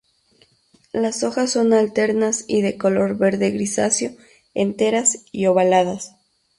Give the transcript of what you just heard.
Las hojas son alternas y de color verde grisáceo, enteras y ovaladas.